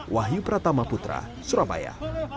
wahyu pratama putra surabaya